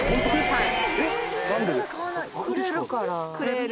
はい。